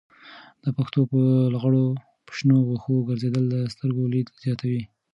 د پښو په لغړو په شنو وښو ګرځېدل د سترګو لید زیاتوي.